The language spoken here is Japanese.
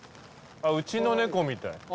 うちの猫みたい。